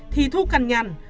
thì thu cằn nhằn